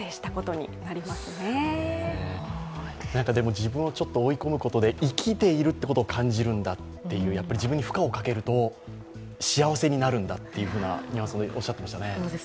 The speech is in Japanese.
自分をちょっと追い込むことで、生きているということを感じるだっていう自分に負荷をかけると幸せになるんだというニュアンスでおっしゃっていましたね。